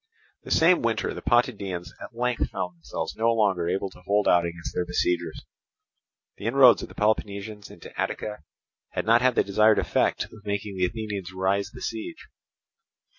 The same winter the Potidæans at length found themselves no longer able to hold out against their besiegers. The inroads of the Peloponnesians into Attica had not had the desired effect of making the Athenians raise the siege.